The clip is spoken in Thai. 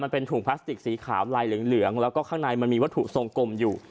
ถุงพลาสติกสีขาวลายเหลืองแล้วก็ข้างในมันมีวัตถุทรงกลมอยู่